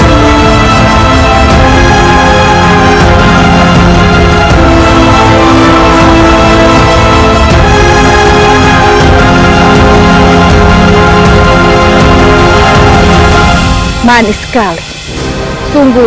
ibu nang akan selamatkan ibu